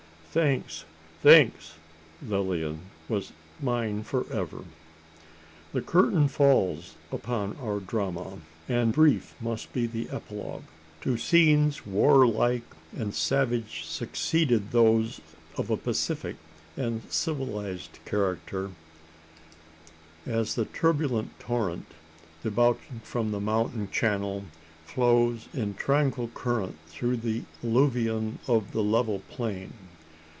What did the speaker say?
"Thanks thanks!" Lilian was mine for ever. The curtain falls upon our drama; and brief must be the epilogue. To scenes warlike and savage succeeded those of a pacific and civilised character as the turbulent torrent, debouching from its mountain channel, flows in tranquil current through the alluvion of the level plain.